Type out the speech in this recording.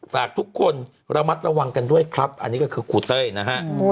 ฝากทุกคนระมัดระวังกันด้วยครับอันนี้ก็คือครูเต้ยนะฮะ